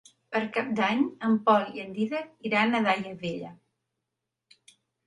Per Cap d'Any en Pol i en Dídac iran a Daia Vella.